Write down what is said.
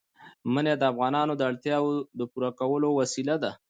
منی د افغانانو د اړتیاوو د پوره کولو وسیله ده.